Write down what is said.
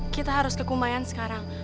kita harus ke kumayan sekarang